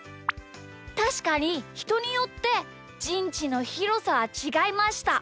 たしかにひとによってじんちのひろさはちがいました。